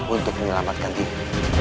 untuk menyelamatkan diri